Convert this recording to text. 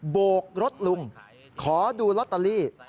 โบกรถลุงขอดูลอตเตอรี่